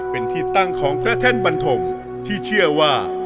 เป็นที่ตั้งของพระแท่นบันทมที่เชื่อว่า